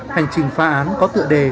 hành trình phá án có tựa đề